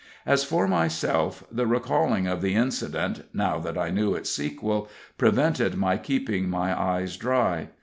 As for myself, the recalling of the incident, now that I knew its sequel, prevented my keeping my eyes dry.